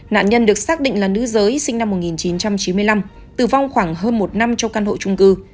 nạn nhân được xác định là nữ giới sinh năm một nghìn chín trăm chín mươi năm tử vong khoảng hơn một năm trong căn hộ trung cư